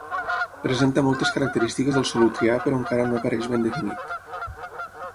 Presenta moltes característiques del Solutrià però encara no apareix ben definit.